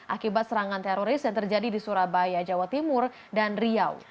akibat serangan teroris yang terjadi di surabaya jawa timur dan riau